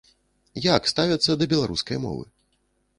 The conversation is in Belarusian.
Як ставяцца да беларускай мовы?